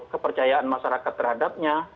kepercayaan masyarakat terhadapnya